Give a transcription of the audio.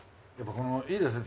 いいですね